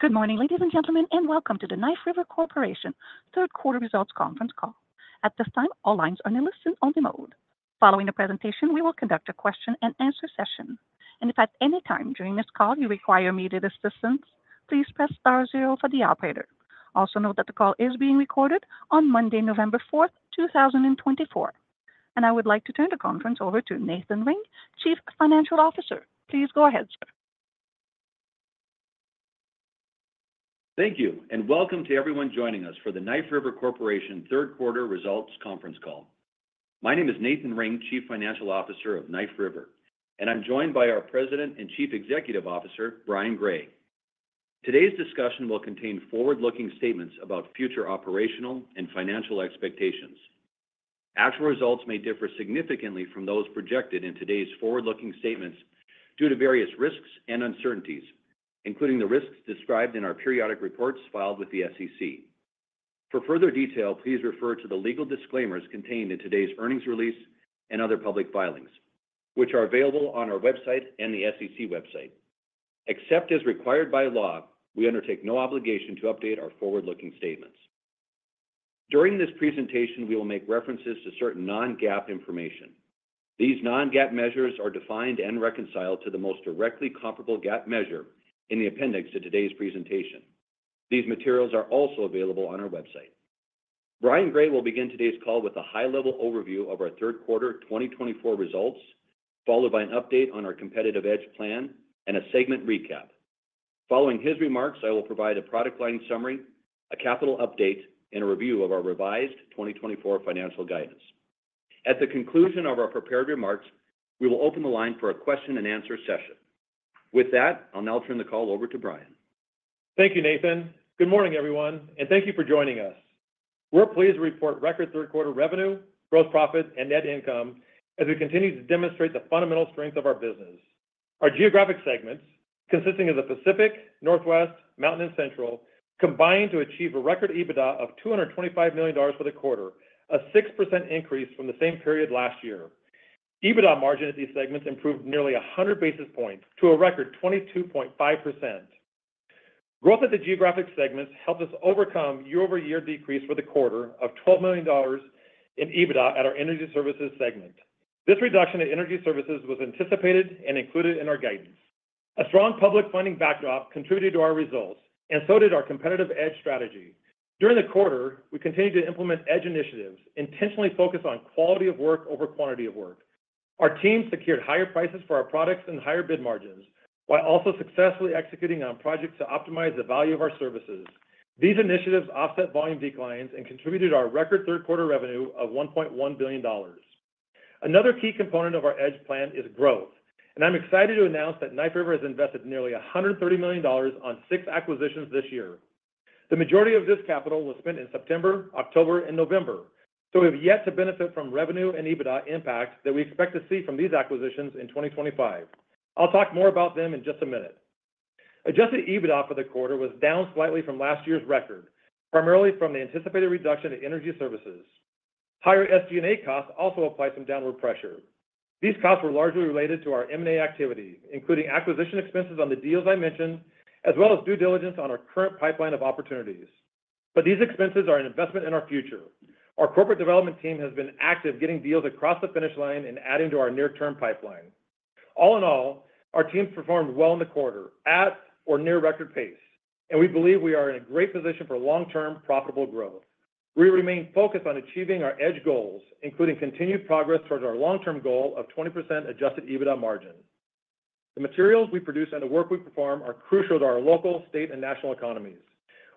Good morning, ladies and gentlemen, and welcome to the Knife River Corporation third quarter results conference call. At this time, all lines are in a listen-only mode. Following the presentation, we will conduct a question-and-answer session. And if at any time during this call you require immediate assistance, please press star zero for the operator. Also note that the call is being recorded on Monday, November 4th, 2024. And I would like to turn the conference over to Nathan Ring, Chief Financial Officer. Please go ahead, sir. Thank you, and welcome to everyone joining us for the Knife River Corporation third quarter results conference call. My name is Nathan Ring, Chief Financial Officer of Knife River, and I'm joined by our President and Chief Executive Officer, Brian Gray. Today's discussion will contain forward-looking statements about future operational and financial expectations. Actual results may differ significantly from those projected in today's forward-looking statements due to various risks and uncertainties, including the risks described in our periodic reports filed with the SEC. For further detail, please refer to the legal disclaimers contained in today's earnings release and other public filings, which are available on our website and the SEC website. Except as required by law, we undertake no obligation to update our forward-looking statements. During this presentation, we will make references to certain non-GAAP information. These non-GAAP measures are defined and reconciled to the most directly comparable GAAP measure in the appendix to today's presentation. These materials are also available on our website. Brian Gray will begin today's call with a high-level overview of our third quarter 2024 results, followed by an update on our competitive EDGE plan and a segment recap. Following his remarks, I will provide a product line summary, a capital update, and a review of our revised 2024 financial guidance. At the conclusion of our prepared remarks, we will open the line for a question-and-answer session. With that, I'll now turn the call over to Brian. Thank you, Nathan. Good morning, everyone, and thank you for joining us. We're pleased to report record third quarter revenue, gross profit, and net income as we continue to demonstrate the fundamental strength of our business. Our geographic segments, consisting of the Pacific, Northwest, Mountain, and Central, combined to achieve a record EBITDA of $225 million for the quarter, a 6% increase from the same period last year. EBITDA margin at these segments improved nearly 100 basis points to a record 22.5%. Growth at the geographic segments helped us overcome year-over-year decrease for the quarter of $12 million in EBITDA at our Energy Eervices segment. This reduction in Energy Services was anticipated and included in our guidance. A strong public funding backdrop contributed to our results, and so did our Competitive EDGE strategy. During the quarter, we continued to implement EDGE initiatives, intentionally focused on quality of work over quantity of work. Our team secured higher prices for our products and higher bid margins while also successfully executing on projects to optimize the value of our services. These initiatives offset volume declines and contributed to our record third quarter revenue of $1.1 billion. Another key component of our EDGE plan is growth, and I'm excited to announce that Knife River has invested nearly $130 million on six acquisitions this year. The majority of this capital was spent in September, October, and November, so we have yet to benefit from revenue and EBITDA impact that we expect to see from these acquisitions in 2025. I'll talk more about them in just a minute. Adjusted EBITDA for the quarter was down slightly from last year's record, primarily from the anticipated reduction in Energy Services. Higher SG&A costs also apply some downward pressure. These costs were largely related to our M&A activity, including acquisition expenses on the deals I mentioned, as well as due diligence on our current pipeline of opportunities. But these expenses are an investment in our future. Our corporate development team has been active getting deals across the finish line and adding to our near-term pipeline. All in all, our team performed well in the quarter at or near record pace, and we believe we are in a great position for long-term profitable growth. We remain focused on achieving our EDGE goals, including continued progress towards our long-term goal of 20% adjusted EBITDA margin. The materials we produce and the work we perform are crucial to our local, state, and national economies.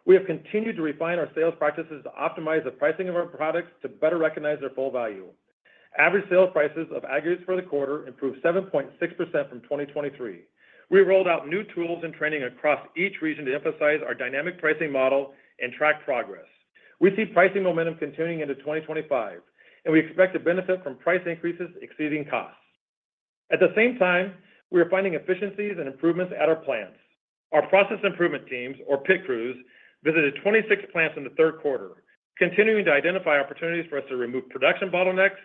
We have continued to refine our sales practices to optimize the pricing of our products to better recognize their full value. Average sales prices of aggregates for the quarter improved 7.6% from 2023. We rolled out new tools and training across each region to emphasize our dynamic pricing model and track progress. We see pricing momentum continuing into 2025, and we expect to benefit from price increases exceeding costs. At the same time, we are finding efficiencies and improvements at our plants. Our process improvement teams, or PIT Crews, visited 26 plants in the third quarter, continuing to identify opportunities for us to remove production bottlenecks,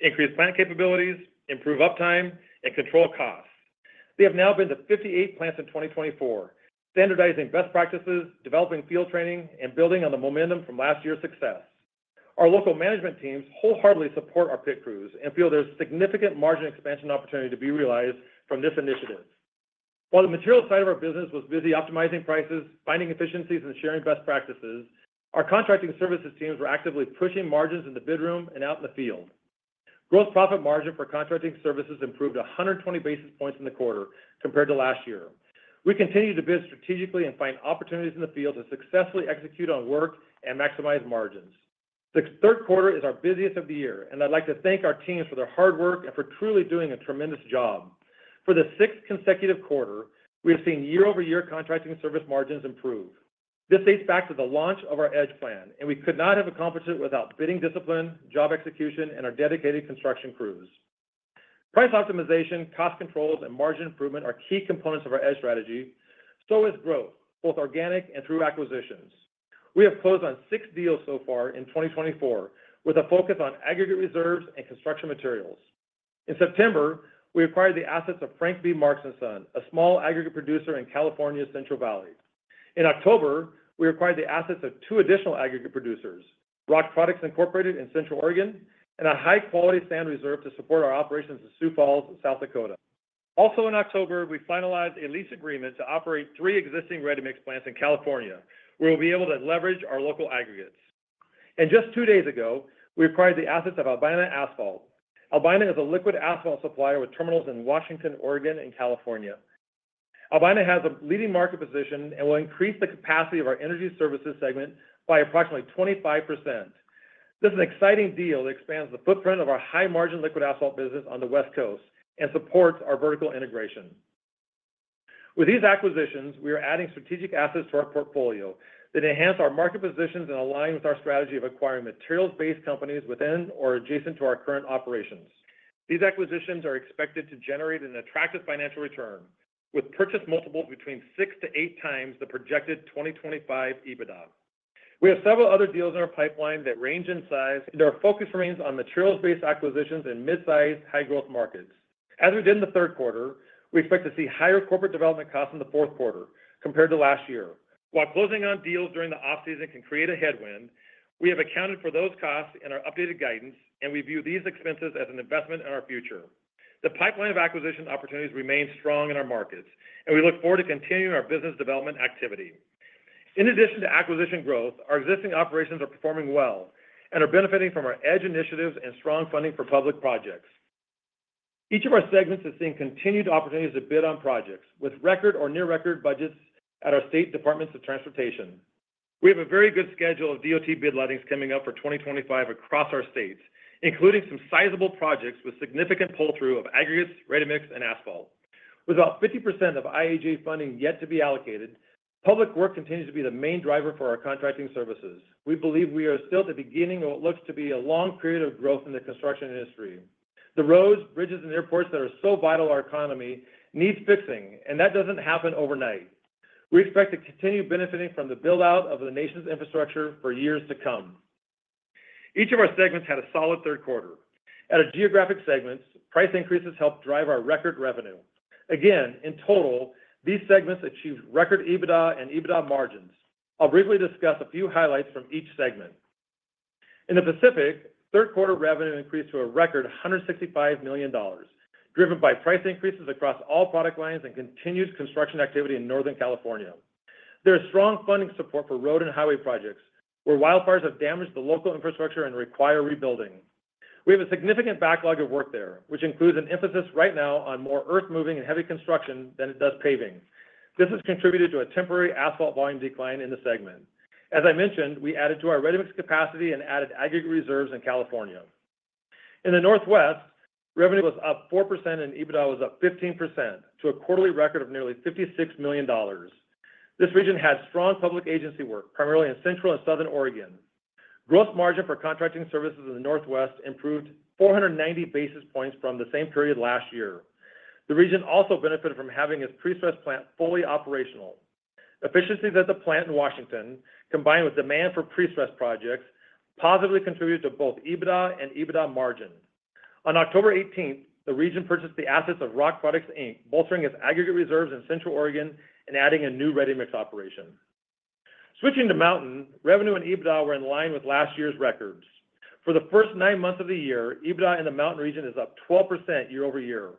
increase plant capabilities, improve uptime, and control costs. They have now been to 58 plants in 2024, standardizing best practices, developing field training, and building on the momentum from last year's success. Our local management teams wholeheartedly support our PIT crews and feel there's significant margin expansion opportunity to be realized from this initiative. While the materials side of our business was busy optimizing prices, finding efficiencies, and sharing best practices, our Contracting Services teams were actively pushing margins in the bid room and out in the field. Gross profit margin for Contracting Services improved 120 basis points in the quarter compared to last year. We continue to bid strategically and find opportunities in the field to successfully execute on work and maximize margins. The third quarter is our busiest of the year, and I'd like to thank our teams for their hard work and for truly doing a tremendous job. For the sixth consecutive quarter, we have seen year-over-year contracting service margins improve. This dates back to the launch of our EDGE plan, and we could not have accomplished it without bidding discipline, job execution, and our dedicated construction crews. Price optimization, cost controls, and margin improvement are key components of our EDGE strategy, so is growth, both organic and through acquisitions. We have closed on six deals so far in 2024 with a focus on aggregate reserves and construction materials. In September, we acquired the assets of Frank B. Marks & Son, a small aggregate producer in California's Central Valley. In October, we acquired the assets of two additional aggregate producers, Rock Products, Inc. in Central Oregon, and a high-quality sand reserve to support our operations in Sioux Falls, South Dakota. Also, in October, we finalized a lease agreement to operate three existing ready-mix plants in California, where we'll be able to leverage our local aggregates. Just two days ago, we acquired the assets of Albina Asphalt. Albina is a liquid asphalt supplier with terminals in Washington, Oregon, and California. Albina has a leading market position and will increase the capacity of our Energy Services segment by approximately 25%. This is an exciting deal that expands the footprint of our high-margin liquid asphalt business on the West Coast and supports our vertical integration. With these acquisitions, we are adding strategic assets to our portfolio that enhance our market positions and align with our strategy of acquiring materials-based companies within or adjacent to our current operations. These acquisitions are expected to generate an attractive financial return, with purchase multiples between six to eight times the projected 2025 EBITDA. We have several other deals in our pipeline that range in size, and our focus remains on materials-based acquisitions in mid-sized, high-growth markets. As we did in the third quarter, we expect to see higher corporate development costs in the fourth quarter compared to last year. While closing on deals during the off-season can create a headwind, we have accounted for those costs in our updated guidance, and we view these expenses as an investment in our future. The pipeline of acquisition opportunities remains strong in our markets, and we look forward to continuing our business development activity. In addition to acquisition growth, our existing operations are performing well and are benefiting from our edge initiatives and strong funding for public projects. Each of our segments is seeing continued opportunities to bid on projects with record or near-record budgets at our state departments of transportation. We have a very good schedule of DOT bid lettings coming up for 2025 across our states, including some sizable projects with significant pull-through of aggregates, ready-mix, and asphalt. With about 50% of IIJA funding yet to be allocated, public work continues to be the main driver for our contracting services. We believe we are still at the beginning of what looks to be a long period of growth in the construction industry. The roads, bridges, and airports that are so vital to our economy need fixing, and that doesn't happen overnight. We expect to continue benefiting from the build-out of the nation's infrastructure for years to come. Each of our segments had a solid third quarter. At our geographic segments, price increases helped drive our record revenue. Again, in total, these segments achieved record EBITDA and EBITDA margins. I'll briefly discuss a few highlights from each segment. In the Pacific, third quarter revenue increased to a record $165 million, driven by price increases across all product lines and continued construction activity in Northern California. There is strong funding support for road and highway projects where wildfires have damaged the local infrastructure and require rebuilding. We have a significant backlog of work there, which includes an emphasis right now on more earth-moving and heavy construction than it does paving. This has contributed to a temporary asphalt volume decline in the segment. As I mentioned, we added to our ready-mix capacity and added aggregate reserves in California. In the Northwest, revenue was up 4% and EBITDA was up 15% to a quarterly record of nearly $56 million. This region had strong public agency work, primarily in Central and Southern Oregon. Gross margin for contracting services in the Northwest improved 490 basis points from the same period last year. The region also benefited from having its prestress plant fully operational. Efficiencies at the plant in Washington, combined with demand for prestress projects, positively contributed to both EBITDA and EBITDA margin. On October 18th, the region purchased the assets of Rock Products, Inc., bolstering its aggregate reserves in Central Oregon and adding a new ready-mix operation. Switching to Mountain, revenue and EBITDA were in line with last year's records. For the first nine months of the year, EBITDA in the Mountain Region is up 12% year-over-year.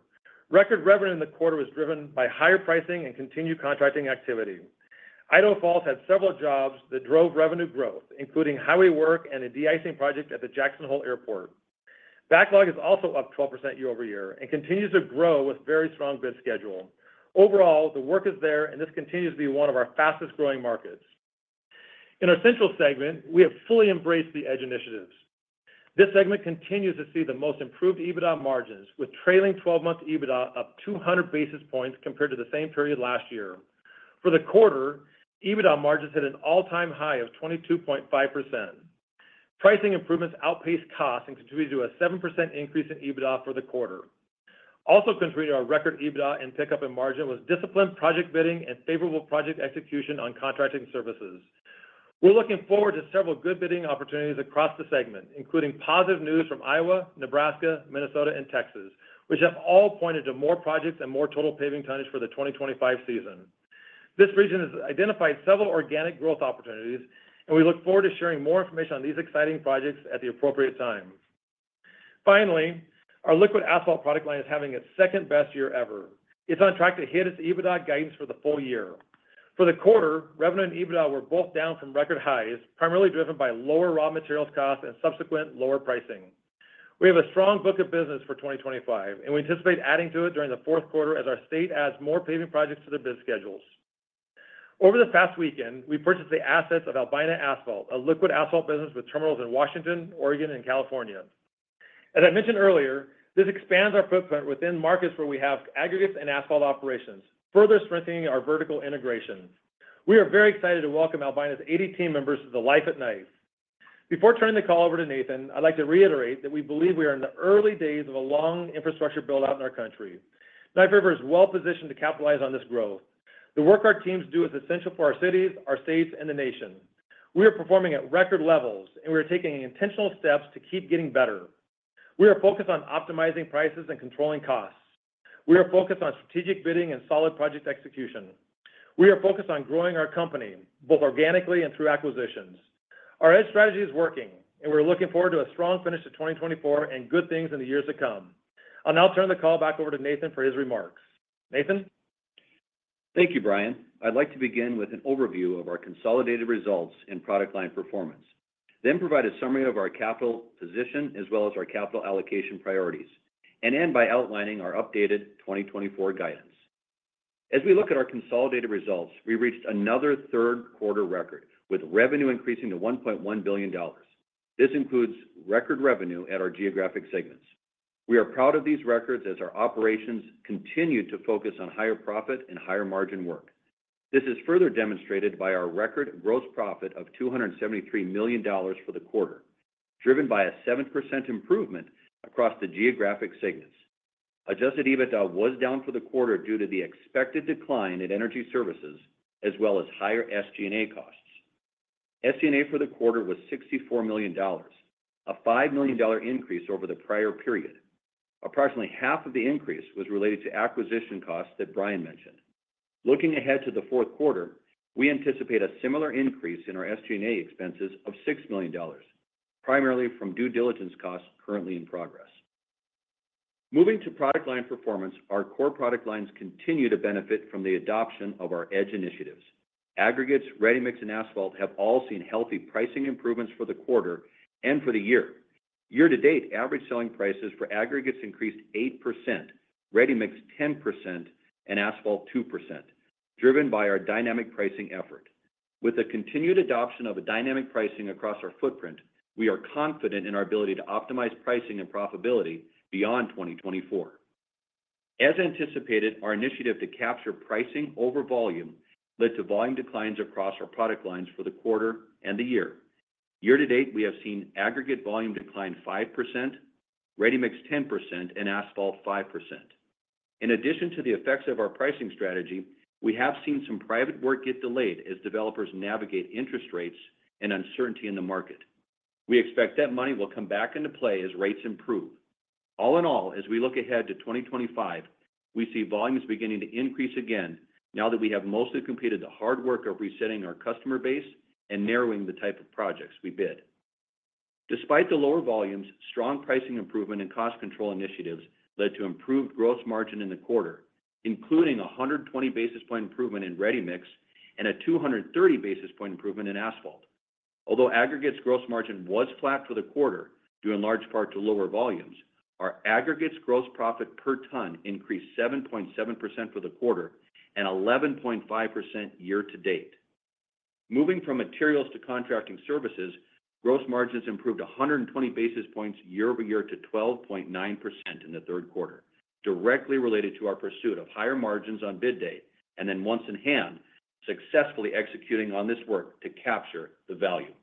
Record revenue in the quarter was driven by higher pricing and continued contracting activity. Idaho Falls had several jobs that drove revenue growth, including highway work and a de-icing project at the Jackson Hole Airport. Backlog is also up 12% year-over-year and continues to grow with a very strong bid schedule. Overall, the work is there, and this continues to be one of our fastest-growing markets. In our central segment, we have fully embraced the edge initiatives. This segment continues to see the most improved EBITDA margins, with trailing 12-month EBITDA up 200 basis points compared to the same period last year. For the quarter, EBITDA margins hit an all-time high of 22.5%. Pricing improvements outpaced costs and contributed to a 7% increase in EBITDA for the quarter. Also contributing to our record EBITDA and pickup in margin was disciplined project bidding and favorable project execution on contracting services. We're looking forward to several good bidding opportunities across the segment, including positive news from Iowa, Nebraska, Minnesota, and Texas, which have all pointed to more projects and more total paving tonnage for the 2025 season. This region has identified several organic growth opportunities, and we look forward to sharing more information on these exciting projects at the appropriate time. Finally, our liquid asphalt product line is having its second-best year ever. It's on track to hit its EBITDA guidance for the full year. For the quarter, revenue and EBITDA were both down from record highs, primarily driven by lower raw materials costs and subsequent lower pricing. We have a strong book of business for 2025, and we anticipate adding to it during the fourth quarter as our state adds more paving projects to their bid schedules. Over the past weekend, we purchased the assets of Albina Asphalt, a liquid asphalt business with terminals in Washington, Oregon, and California. As I mentioned earlier, this expands our footprint within markets where we have aggregates and asphalt operations, further strengthening our vertical integration. We are very excited to welcome Albina's 80 team members to the Knife River. Before turning the call over to Nathan, I'd like to reiterate that we believe we are in the early days of a long infrastructure build-out in our country. Knife River is well-positioned to capitalize on this growth. The work our teams do is essential for our cities, our states, and the nation. We are performing at record levels, and we are taking intentional steps to keep getting better. We are focused on optimizing prices and controlling costs. We are focused on strategic bidding and solid project execution. We are focused on growing our company, both organically and through acquisitions. Our edge strategy is working, and we're looking forward to a strong finish to 2024 and good things in the years to come. I'll now turn the call back over to Nathan for his remarks. Nathan? Thank you, Brian. I'd like to begin with an overview of our consolidated results and product line performance, then provide a summary of our capital position as well as our capital allocation priorities, and end by outlining our updated 2024 guidance. As we look at our consolidated results, we reached another third-quarter record, with revenue increasing to $1.1 billion. This includes record revenue at our geographic segments. We are proud of these records as our operations continue to focus on higher profit and higher margin work. This is further demonstrated by our record gross profit of $273 million for the quarter, driven by a 7% improvement across the geographic segments. Adjusted EBITDA was down for the quarter due to the expected decline in Energy Services as well as higher SG&A costs. SG&A for the quarter was $64 million, a $5 million increase over the prior period. Approximately half of the increase was related to acquisition costs that Brian mentioned. Looking ahead to the fourth quarter, we anticipate a similar increase in our SG&A expenses of $6 million, primarily from due diligence costs currently in progress. Moving to product line performance, our core product lines continue to benefit from the adoption of our edge initiatives. Aggregates, ready-mix, and asphalt have all seen healthy pricing improvements for the quarter and for the year. Year-to-date, average selling prices for aggregates increased 8%, ready-mix 10%, and asphalt 2%, driven by our dynamic pricing effort. With the continued adoption of dynamic pricing across our footprint, we are confident in our ability to optimize pricing and profitability beyond 2024. As anticipated, our initiative to capture pricing over volume led to volume declines across our product lines for the quarter and the year. Year-to-date, we have seen aggregate volume decline 5%, ready-mix 10%, and asphalt 5%. In addition to the effects of our pricing strategy, we have seen some private work get delayed as developers navigate interest rates and uncertainty in the market. We expect that money will come back into play as rates improve. All in all, as we look ahead to 2025, we see volumes beginning to increase again now that we have mostly completed the hard work of resetting our customer base and narrowing the type of projects we bid. Despite the lower volumes, strong pricing improvement and cost control initiatives led to improved gross margin in the quarter, including a 120 basis points improvement in ready-mix and a 230 basis points improvement in asphalt. Although aggregates gross margin was flat for the quarter due in large part to lower volumes, our aggregates gross profit per ton increased 7.7% for the quarter and 11.5% year-to-date. Moving from materials to contracting services, gross margins improved 120 basis points year-over-year to 12.9% in the third quarter, directly related to our pursuit of higher margins on bid day and then once in hand successfully executing on this work to capture the value.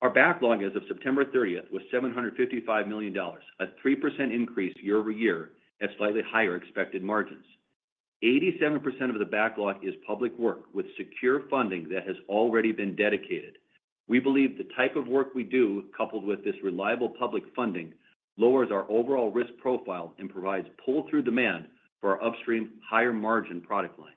Our backlog as of September 30th was $755 million, a 3% increase year-over-year at slightly higher expected margins. 87% of the backlog is public work with secure funding that has already been dedicated. We believe the type of work we do, coupled with this reliable public funding, lowers our overall risk profile and provides pull-through demand for our upstream higher-margin product lines.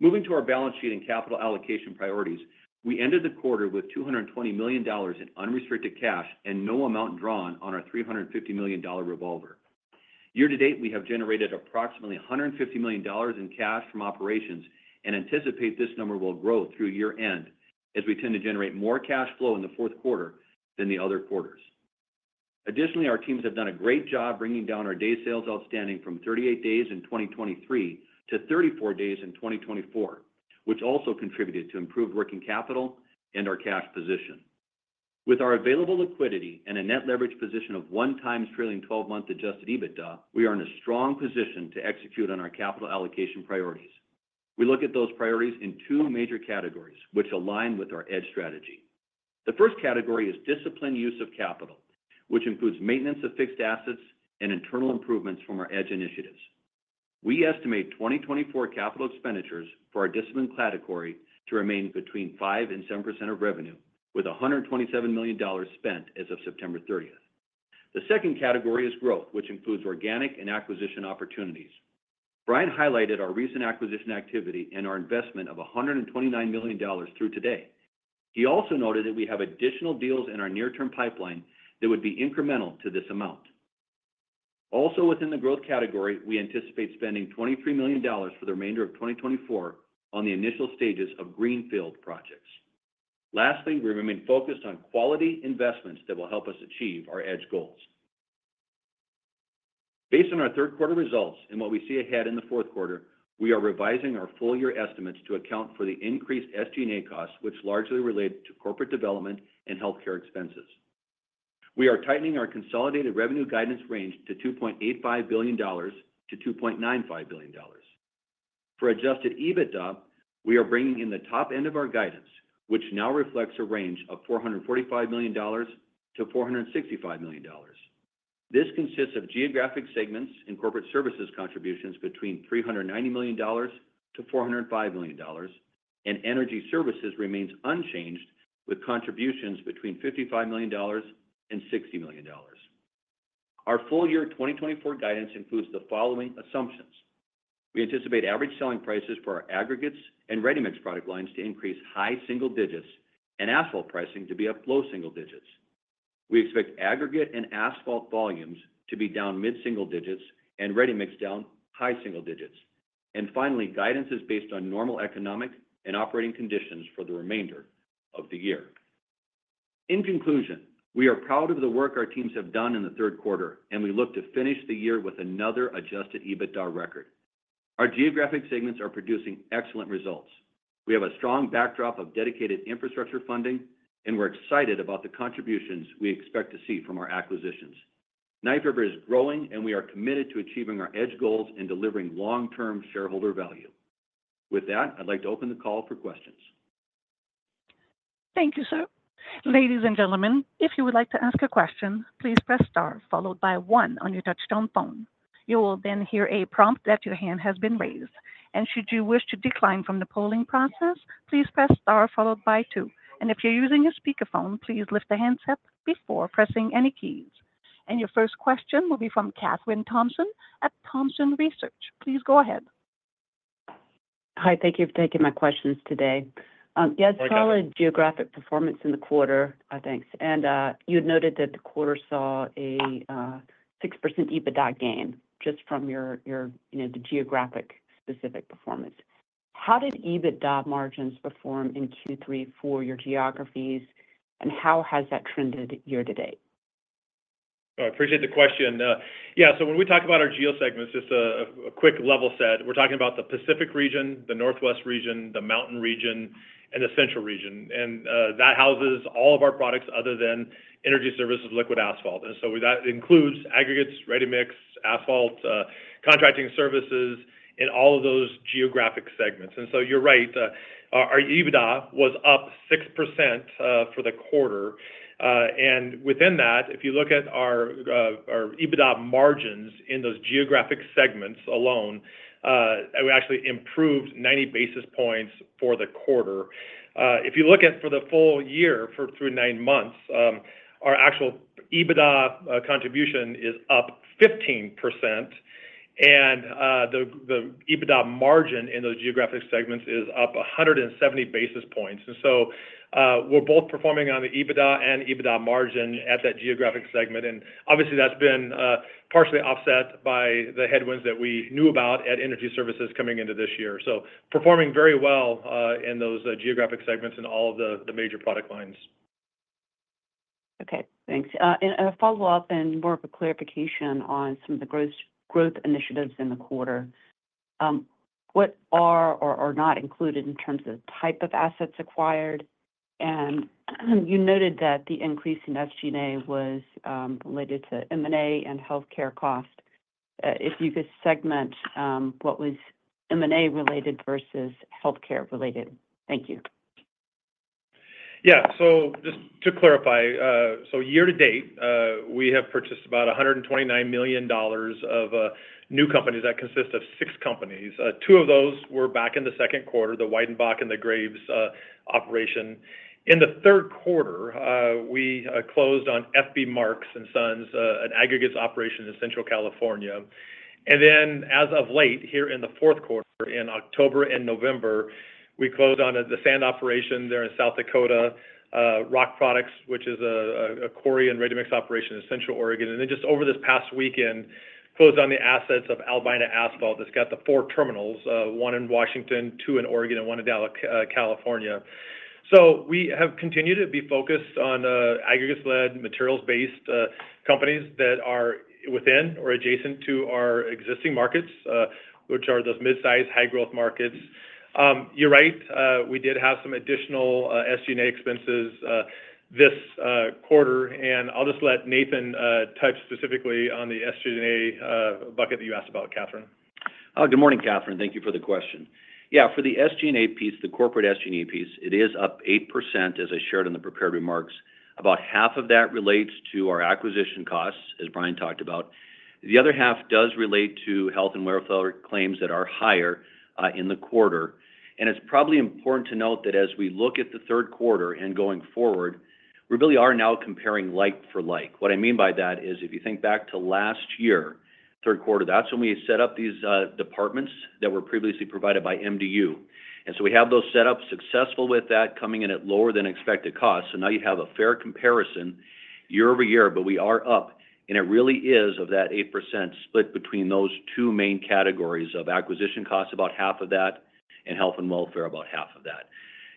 Moving to our balance sheet and capital allocation priorities, we ended the quarter with $220 million in unrestricted cash and no amount drawn on our $350 million revolver. Year-to-date, we have generated approximately $150 million in cash from operations and anticipate this number will grow through year-end as we tend to generate more cash flow in the fourth quarter than the other quarters. Additionally, our teams have done a great job bringing down our day sales outstanding from 38 days in 2023 to 34 days in 2024, which also contributed to improved working capital and our cash position. With our available liquidity and a net leverage position of one times trailing 12-month adjusted EBITDA, we are in a strong position to execute on our capital allocation priorities. We look at those priorities in two major categories, which align with our edge strategy. The first category is disciplined use of capital, which includes maintenance of fixed assets and internal improvements from our edge initiatives. We estimate 2024 capital expenditures for our disciplined category to remain between 5% and 7% of revenue, with $127 million spent as of September 30th. The second category is growth, which includes organic and acquisition opportunities. Brian highlighted our recent acquisition activity and our investment of $129 million through today. He also noted that we have additional deals in our near-term pipeline that would be incremental to this amount. Also, within the growth category, we anticipate spending $23 million for the remainder of 2024 on the initial stages of greenfield projects. Lastly, we remain focused on quality investments that will help us achieve our edge goals. Based on our third-quarter results and what we see ahead in the fourth quarter, we are revising our full-year estimates to account for the increased SG&A costs, which largely relate to corporate development and healthcare expenses. We are tightening our consolidated revenue guidance range to $2.85 billion-$2.95 billion. For Adjusted EBITDA, we are bringing in the top end of our guidance, which now reflects a range of $445 million-$465 million. This consists of geographic segments and corporate services contributions between $390 million-$405 million, and Energy Services remains unchanged with contributions between $55 million and $60 million. Our full-year 2024 guidance includes the following assumptions. We anticipate average selling prices for our aggregates and ready-mix product lines to increase high single digits and asphalt pricing to be up low single digits. We expect aggregate and asphalt volumes to be down mid-single digits, and ready-mix down high single digits. Finally, guidance is based on normal economic and operating conditions for the remainder of the year. In conclusion, we are proud of the work our teams have done in the third quarter, and we look to finish the year with another Adjusted EBITDA record. Our geographic segments are producing excellent results. We have a strong backdrop of dedicated infrastructure funding, and we're excited about the contributions we expect to see from our acquisitions. Knife River is growing, and we are committed to achieving our EDGE goals and delivering long-term shareholder value. With that, I'd like to open the call for questions. Thank you, sir. Ladies and gentlemen, if you would like to ask a question, please press star followed by one on your touch-tone phone. You will then hear a prompt that your hand has been raised. And should you wish to decline from the polling process, please press star followed by two. And if you're using a speakerphone, please lift the handset before pressing any keys. And your first question will be from Kathryn Thompson at Thompson Research. Please go ahead. Hi, thank you for taking my questions today. Yes, probably geographic performance in the quarter, I think. And you had noted that the quarter saw a 6% EBITDA gain just from your geographic-specific performance. How did EBITDA margins perform in Q3 for your geographies, and how has that trended year-to-date? I appreciate the question. Yeah, so when we talk about our geo segments, just a quick level set, we're talking about the Pacific Region, the Northwest Region, the Mountain Region, and the Central Region. And that houses all of our products other than Energy Services, liquid asphalt. And so that includes aggregates, ready-mix, asphalt, contracting services, and all of those geographic segments. And so you're right, our EBITDA was up 6% for the quarter. And within that, if you look at our EBITDA margins in those geographic segments alone, we actually improved 90 basis points for the quarter. If you look at the full year through nine months, our actual EBITDA contribution is up 15%, and the EBITDA margin in those geographic segments is up 170 basis points. And so we're both performing on the EBITDA and EBITDA margin at that geographic segment. And obviously, that's been partially offset by the headwinds that we knew about at Energy Services coming into this year. So performing very well in those geographic segments and all of the major product lines. Okay, thanks. And a follow-up and more of a clarification on some of the growth initiatives in the quarter. What are or are not included in terms of type of assets acquired? And you noted that the increase in SG&A was related to M&A and healthcare cost. If you could segment what was M&A-related versus healthcare-related. Thank you. Yeah, so just to clarify, so year-to-date, we have purchased about $129 million of new companies that consist of six companies. Two of those were back in the second quarter, the Weidenbach and the Graves operation. In the third quarter, we closed on Frank B. Marks & Son, an aggregates operation in Central California. And then as of late here in the fourth quarter, in October and November, we closed on the sand operation there in South Dakota, Rock Products, which is a quarry and ready-mix operation in Central Oregon. And then just over this past weekend, closed on the assets of Albina Asphalt. It's got the four terminals, one in Washington, two in Oregon, and one in California. So we have continued to be focused on aggregates-led materials-based companies that are within or adjacent to our existing markets, which are those mid-size high-growth markets. You're right, we did have some additional SG&A expenses this quarter. And I'll just let Nathan talk specifically on the SG&A bucket that you asked about, Kathryn. Good morning, Kathryn. Thank you for the question. Yeah, for the SG&A piece, the corporate SG&A piece, it is up 8%, as I shared in the prepared remarks. About half of that relates to our acquisition costs, as Brian talked about. The other half does relate to health and welfare claims that are higher in the quarter. And it's probably important to note that as we look at the third quarter and going forward, we really are now comparing like for like. What I mean by that is if you think back to last year, third quarter, that's when we set up these departments that were previously provided by MDU. And so we have those set up successful with that coming in at lower than expected costs. So now you have a fair comparison year-over-year, but we are up, and it really is of that 8% split between those two main categories of acquisition costs, about half of that, and health and welfare, about half of that.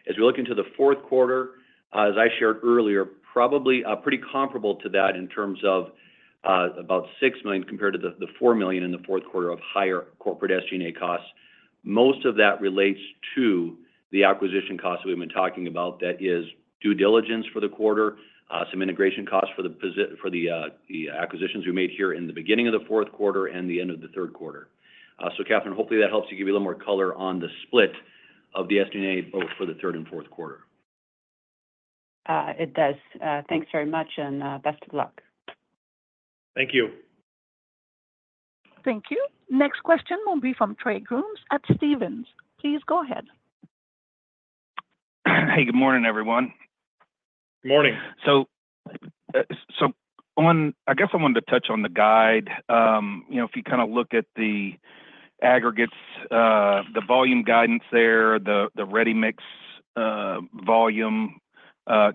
As we look into the fourth quarter, as I shared earlier, probably pretty comparable to that in terms of about $6 million compared to the $4 million in the fourth quarter of higher corporate SG&A costs. Most of that relates to the acquisition costs that we've been talking about that is due diligence for the quarter, some integration costs for the acquisitions we made here in the beginning of the fourth quarter and the end of the third quarter. So, Kathryn, hopefully that helps you give you a little more color on the split of the SG&A both for the third and fourth quarter. It does. Thanks very much and best of luck. Thank you. Thank you. Next question will be from Trey Grooms at Stephens. Please go ahead. Hey, good morning, everyone. Good morning. So I guess I wanted to touch on the guide. If you kind of look at the aggregates, the volume guidance there, the ready-mix volume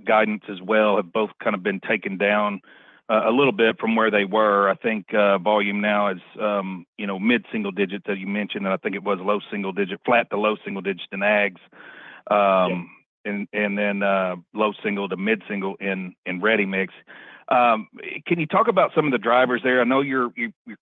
guidance as well have both kind of been taken down a little bit from where they were. I think volume now is mid-single digits that you mentioned, and I think it was low single digit, flat to low single digit in ags, and then low single to mid-single in ready-mix. Can you talk about some of the drivers there? I know you're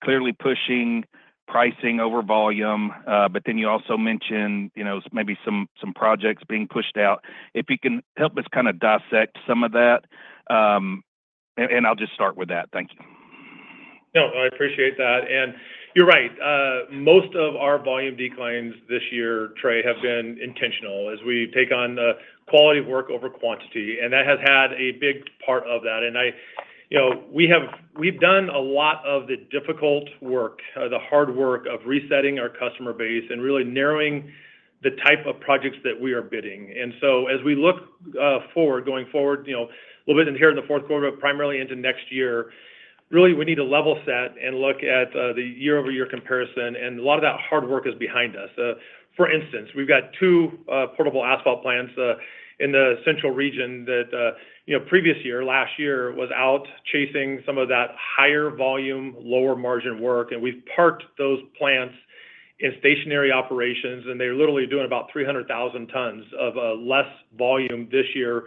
clearly pushing pricing over volume, but then you also mentioned maybe some projects being pushed out. If you can help us kind of dissect some of that, and I'll just start with that. Thank you. No, I appreciate that, and you're right. Most of our volume declines this year, Trey, have been intentional as we take on quality of work over quantity, and that has had a big part of that, and we have done a lot of the difficult work, the hard work of resetting our customer base and really narrowing the type of projects that we are bidding. And so as we look forward, going forward, a little bit in here in the fourth quarter, but primarily into next year, really we need to level set and look at the year-over-year comparison. And a lot of that hard work is behind us. For instance, we've got two portable asphalt plants in the Central Region that previous year, last year, was out chasing some of that higher volume, lower margin work. And we've parked those plants in stationary operations, and they're literally doing about 300,000 tons of less volume this year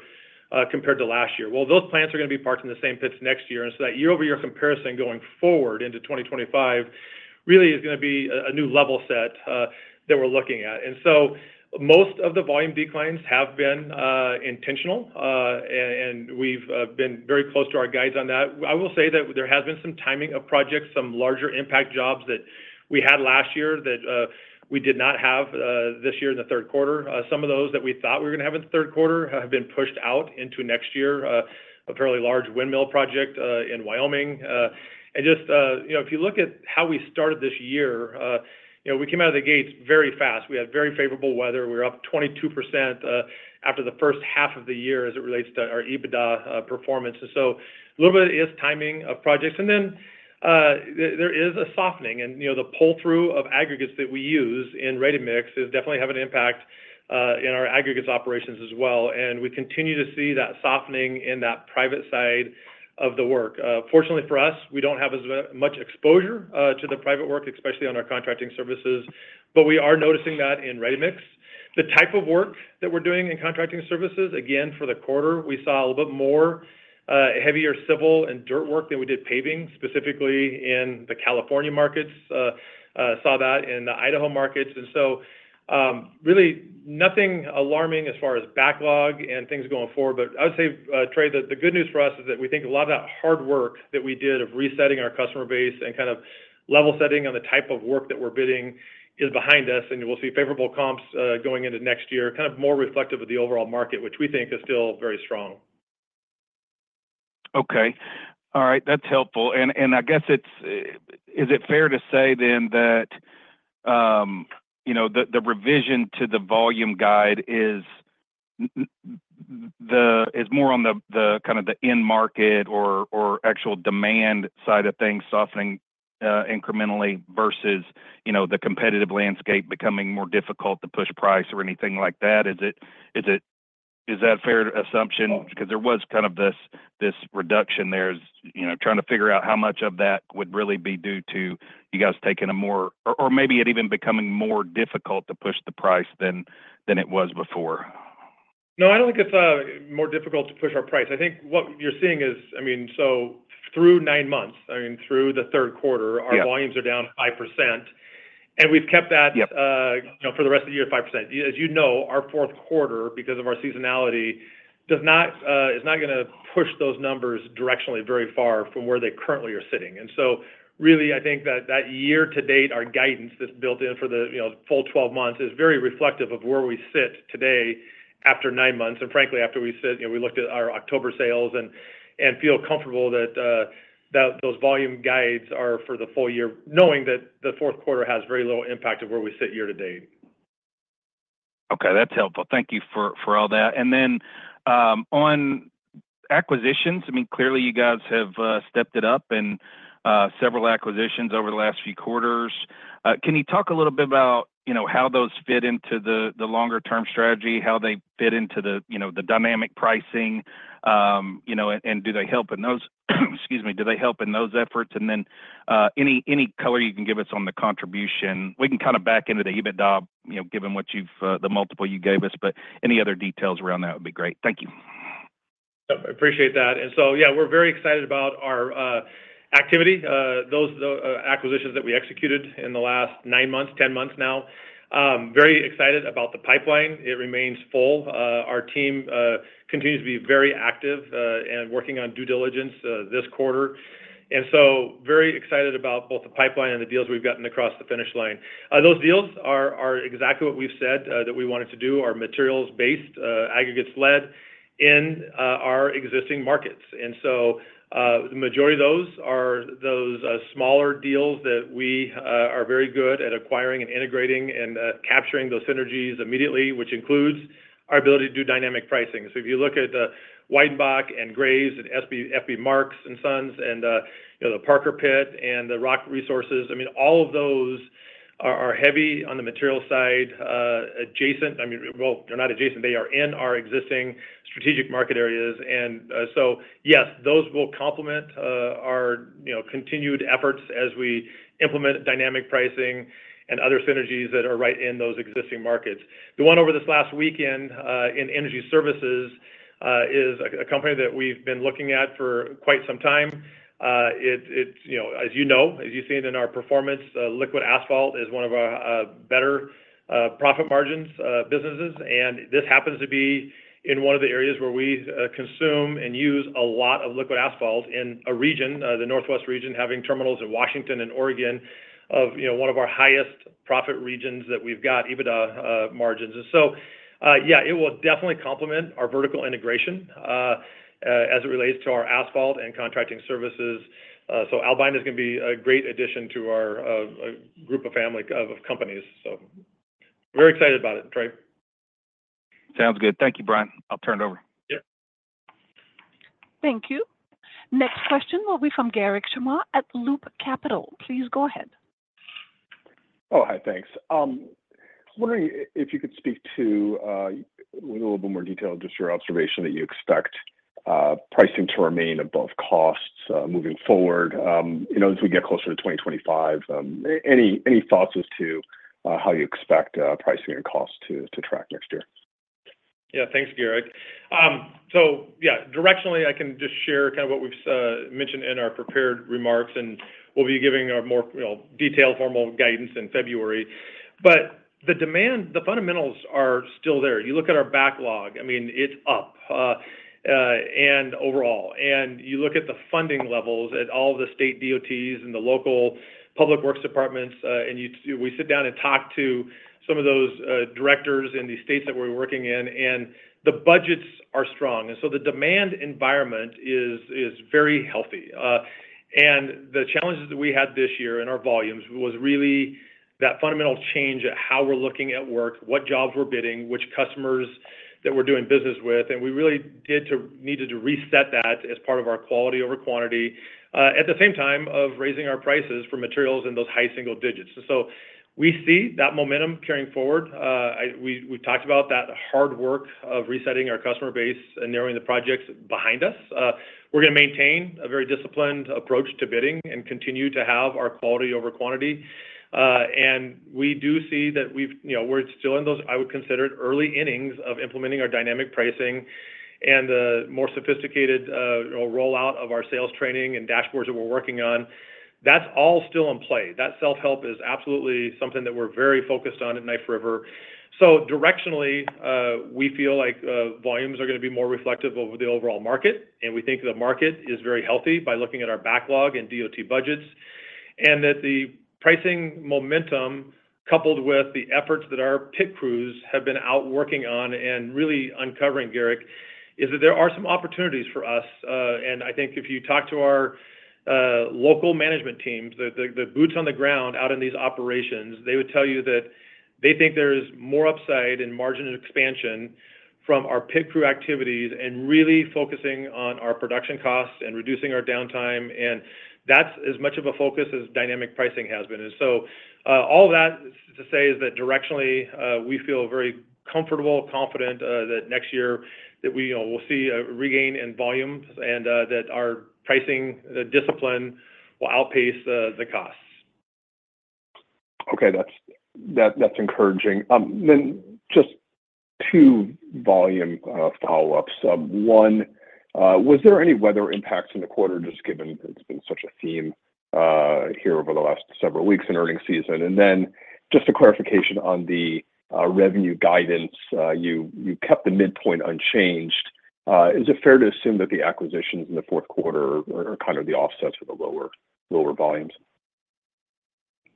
compared to last year. Well, those plants are going to be parked in the same pits next year. And so that year-over-year comparison going forward into 2025 really is going to be a new level set that we're looking at. And so most of the volume declines have been intentional, and we've been very close to our guides on that. I will say that there has been some timing of projects, some larger impact jobs that we had last year that we did not have this year in the third quarter. Some of those that we thought we were going to have in the third quarter have been pushed out into next year, a fairly large windmill project in Wyoming. And just if you look at how we started this year, we came out of the gates very fast. We had very favorable weather. We were up 22% after the first half of the year as it relates to our EBITDA performance. And so a little bit of this timing of projects. And then there is a softening. And the pull-through of aggregates that we use in ready-mix is definitely having an impact in our aggregates operations as well. And we continue to see that softening in that private side of the work. Fortunately for us, we don't have as much exposure to the private work, especially on our contracting services, but we are noticing that in ready-mix. The type of work that we're doing in contracting services, again, for the quarter, we saw a little bit more heavier civil and dirt work than we did paving, specifically in the California markets. Saw that in the Idaho markets. And so really nothing alarming as far as backlog and things going forward. But I would say, Trey, that the good news for us is that we think a lot of that hard work that we did of resetting our customer base and kind of level setting on the type of work that we're bidding is behind us. And we'll see favorable comps going into next year, kind of more reflective of the overall market, which we think is still very strong. Okay. All right. That's helpful. And I guess is it fair to say then that the revision to the volume guide is more on the kind of the end market or actual demand side of things, softening incrementally versus the competitive landscape becoming more difficult to push price or anything like that? Is that a fair assumption? Because there was kind of this reduction there trying to figure out how much of that would really be due to you guys taking a more or maybe it even becoming more difficult to push the price than it was before. No, I don't think it's more difficult to push our price. I think what you're seeing is, I mean, so through nine months, I mean, through the third quarter, our volumes are down 5%. And we've kept that for the rest of the year at 5%. As you know, our fourth quarter, because of our seasonality, is not going to push those numbers directionally very far from where they currently are sitting. And so really, I think that year-to-date, our guidance that's built in for the full 12 months is very reflective of where we sit today after nine months. Frankly, after we sat, we looked at our October sales and feel comfortable that those volume guides are for the full year, knowing that the fourth quarter has very little impact on where we sit year-to-date. Okay. That's helpful. Thank you for all that. Then on acquisitions, I mean, clearly you guys have stepped it up in several acquisitions over the last few quarters. Can you talk a little bit about how those fit into the longer-term strategy, how they fit into the dynamic pricing, and do they help in those, excuse me, do they help in those efforts? Then any color you can give us on the contribution. We can kind of back into the EBITDA, given the multiple you gave us, but any other details around that would be great. Thank you. I appreciate that. And so, yeah, we're very excited about our activity, those acquisitions that we executed in the last nine months, 10 months now. Very excited about the pipeline. It remains full. Our team continues to be very active and working on due diligence this quarter. And so very excited about both the pipeline and the deals we've gotten across the finish line. Those deals are exactly what we've said that we wanted to do, are materials-based, aggregates-led in our existing markets. And so the majority of those are those smaller deals that we are very good at acquiring and integrating and capturing those synergies immediately, which includes our ability to do dynamic pricing. So if you look at the Weidenbach and Graves and Frank B. Marks & Son and the Parker Pit and the Rock Resources, I mean, all of those are heavy on the materials side adjacent. I mean, well, they're not adjacent. They are in our existing strategic market areas. And so, yes, those will complement our continued efforts as we implement dynamic pricing and other synergies that are right in those existing markets. The one over this last weekend in Energy Services is a company that we've been looking at for quite some time. As you know, as you've seen in our performance, liquid asphalt is one of our better profit margins businesses. And this happens to be in one of the areas where we consume and use a lot of liquid asphalt in a region, the Northwest region, having terminals in Washington and Oregon, of one of our highest profit regions that we've got EBITDA margins. And so, yeah, it will definitely complement our vertical integration as it relates to our asphalt and contracting services. Albina is going to be a great addition to our group of family of companies. Very excited about it, Trey. Sounds good. Thank you, Brian. I'll turn it over. Yep. Thank you. Next question will be from Garik Shmois at Loop Capital. Please go ahead. Oh, hi. Thanks. Wondering if you could speak to, with a little bit more detail, just your observation that you expect pricing to remain above costs moving forward as we get closer to 2025. Any thoughts as to how you expect pricing and costs to track next year? Yeah. Thanks, Garik. So, yeah, directionally, I can just share kind of what we've mentioned in our prepared remarks, and we'll be giving a more detailed, formal guidance in February. But the demand, the fundamentals are still there. You look at our backlog, I mean, it's up and overall. And you look at the funding levels at all the state DOTs and the local public works departments, and we sit down and talk to some of those directors in the states that we're working in, and the budgets are strong. And so the demand environment is very healthy. And the challenges that we had this year in our volumes was really that fundamental change at how we're looking at work, what jobs we're bidding, which customers that we're doing business with. And we really did need to reset that as part of our quality over quantity at the same time of raising our prices for materials in those high single digits. And so we see that momentum carrying forward. We talked about that hard work of resetting our customer base and narrowing the projects behind us. We're going to maintain a very disciplined approach to bidding and continue to have our quality over quantity, and we do see that we're still in those, I would consider it, early innings of implementing our Dynamic Pricing and the more sophisticated rollout of our sales training and dashboards that we're working on. That's all still in play. That self-help is absolutely something that we're very focused on at Knife River, so directionally, we feel like volumes are going to be more reflective over the overall market, and we think the market is very healthy by looking at our backlog and DOT budgets and that the pricing momentum coupled with the efforts that our Pit Crews have been out working on and really uncovering, Garik, is that there are some opportunities for us. And I think if you talk to our local management teams, the boots on the ground out in these operations, they would tell you that they think there's more upside in margin expansion from our pit crew activities and really focusing on our production costs and reducing our downtime. And that's as much of a focus as dynamic pricing has been. And so all of that to say is that directionally, we feel very comfortable, confident that next year that we will see a regain in volume and that our pricing discipline will outpace the costs. Okay. That's encouraging. Then just two volume follow-ups. One, was there any weather impacts in the quarter just given it's been such a theme here over the last several weeks in earnings season? And then just a clarification on the revenue guidance. You kept the midpoint unchanged. Is it fair to assume that the acquisitions in the fourth quarter are kind of the offsets of the lower volumes?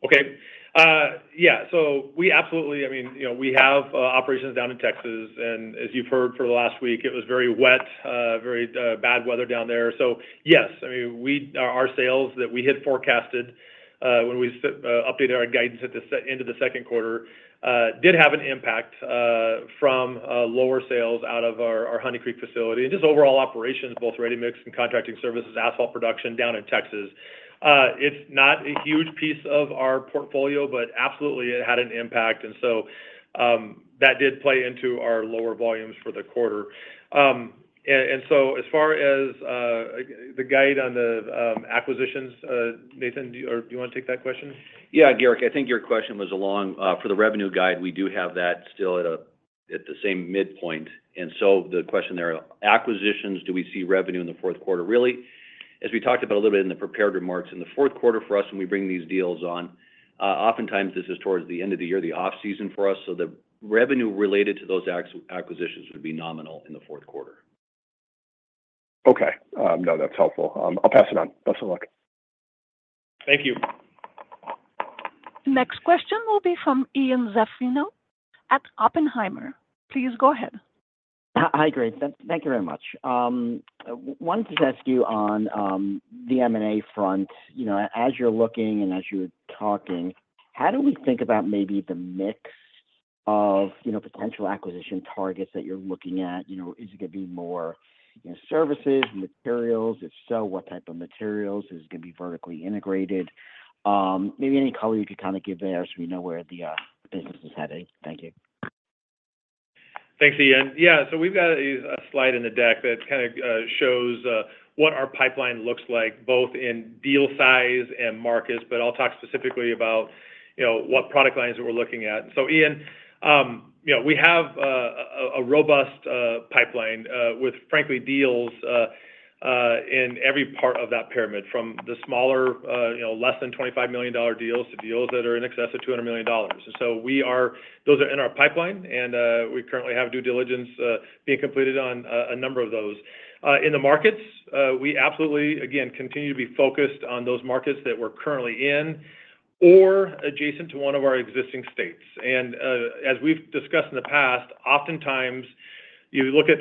Okay. Yeah. So we absolutely, I mean, we have operations down in Texas. And as you've heard for the last week, it was very wet, very bad weather down there. So yes, I mean, our sales that we had forecasted when we updated our guidance into the second quarter did have an impact from lower sales out of our Honey Creek facility and just overall operations, both ready-mix and contracting services, asphalt production down in Texas. It's not a huge piece of our portfolio, but absolutely, it had an impact. And so that did play into our lower volumes for the quarter. And so as far as the guide on the acquisitions, Nathan, do you want to take that question? Yeah, Garik, I think your question was along for the revenue guide. We do have that still at the same midpoint. And so the question there, acquisitions, do we see revenue in the fourth quarter? Really, as we talked about a little bit in the prepared remarks, in the fourth quarter for us, when we bring these deals on, oftentimes this is towards the end of the year, the off-season for us. So the revenue related to those acquisitions would be nominal in the fourth quarter. Okay. No, that's helpful. I'll pass it on. Best of luck. Thank you. Next question will be from Ian Zaffino at Oppenheimer. Please go ahead. Hi, Brian. Thank you very much. I wanted to ask you on the M&A front, as you're looking and as you're talking, how do we think about maybe the mix of potential acquisition targets that you're looking at? Is it going to be more services, materials? If so, what type of materials? Is it going to be vertically integrated? Maybe any color you could kind of give there so we know where the business is headed. Thank you. Thanks, Ian. Yeah. So we've got a slide in the deck that kind of shows what our pipeline looks like, both in deal size and markets, but I'll talk specifically about what product lines that we're looking at. So, Ian, we have a robust pipeline with, frankly, deals in every part of that pyramid, from the smaller, less than $25 million deals to deals that are in excess of $200 million. And so those are in our pipeline, and we currently have due diligence being completed on a number of those. In the markets, we absolutely, again, continue to be focused on those markets that we're currently in or adjacent to one of our existing states. And as we've discussed in the past, oftentimes, you look at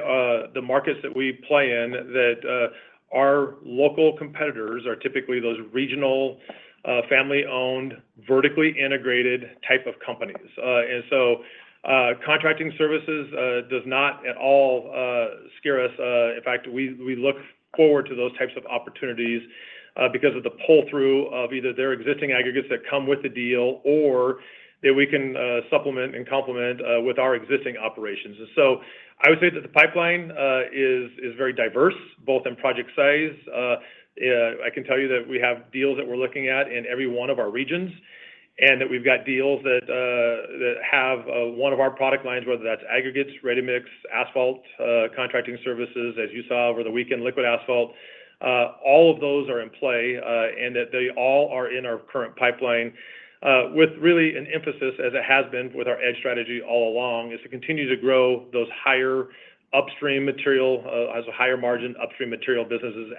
the markets that we play in that our local competitors are typically those regional family-owned, vertically integrated type of companies. And so contracting services does not at all scare us. In fact, we look forward to those types of opportunities because of the pull-through of either their existing aggregates that come with the deal or that we can supplement and complement with our existing operations. And so I would say that the pipeline is very diverse, both in project size. I can tell you that we have deals that we're looking at in every one of our regions and that we've got deals that have one of our product lines, whether that's aggregates, ready-mix, asphalt, contracting services, as you saw over the weekend, liquid asphalt. All of those are in play and that they all are in our current pipeline with really an emphasis, as it has been with our edge strategy all along, is to continue to grow those higher upstream material as a higher margin upstream material businesses